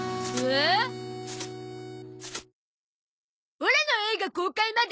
オラの映画公開まで。